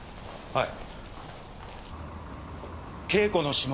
はい？